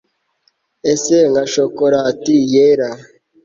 ese nka chocolat yera